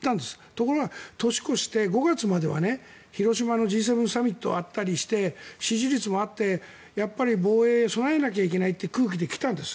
ところが年を越して、５月までは広島のＧ７サミットがあったりして支持率上がってやはり防衛に備えなきゃいけないという空気で来たんです。